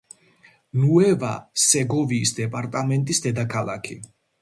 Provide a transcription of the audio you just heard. ნუევა სეგოვიის დეპარტამენტის დედაქალაქი.